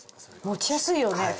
持ちやすいよね